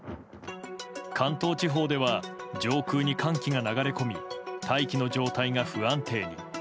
関東地方では上空に寒気が流れ込み大気の状態が不安定に。